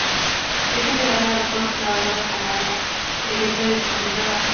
Es considerada la mejor nadadora canaria de la historia de la sincronizada.